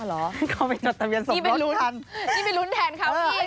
หรอนี่เป็นลุ้นแทนครับพี่